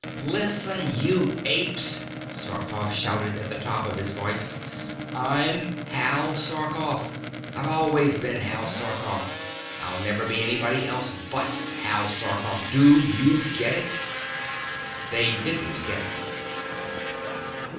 "Listen, you apes," Sarkoff shouted at the top of his voice. "I'm Hal Sarkoff. I've always been Hal Sarkoff. I'll never be anybody else but Hal Sarkoff. Do you get it?" They didn't get it.